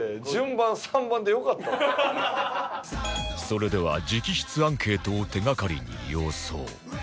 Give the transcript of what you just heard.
それでは直筆アンケートを手がかりに予想